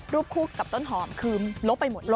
คู่กับต้นหอมคือลบไปหมดเลย